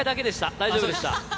大丈夫でした。